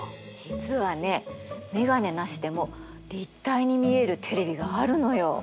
実はね眼鏡なしでも立体に見えるテレビがあるのよ。